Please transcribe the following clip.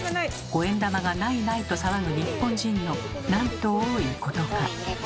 五円玉がないないと騒ぐ日本人のなんと多いことか。